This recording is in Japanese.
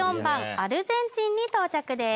アルゼンチンに到着です